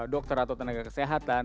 dokter atau tenaga kesehatan